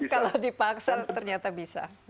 kalau dipaksa ternyata bisa